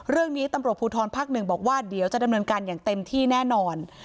เรื่องนี้ตำรวจภูทรภาคหนึ่งบอกว่าเดี๋ยวจะดำเนินการอย่างเต็มที่แน่นอน